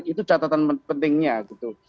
itu catatan pentingnya gitu